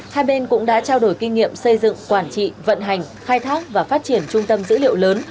hai bên cũng đã trao đổi kinh nghiệm xây dựng quản trị vận hành khai thác và phát triển trung tâm dữ liệu lớn